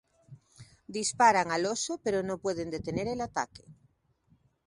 Disparan al oso, pero no pueden detener el ataque.